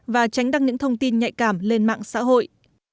và tránh đăng những thông tin nhạy cảm lên mạng xã hội